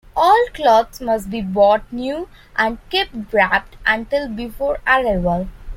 All clothes must be bought new, and kept wrapped until before arrival.